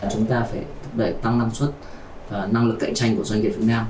chúng ta phải thúc đẩy tăng năng suất và năng lực cạnh tranh của doanh nghiệp việt nam